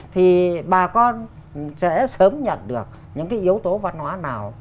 thì bà con sẽ sớm nhận được những cái yếu tố văn hóa nào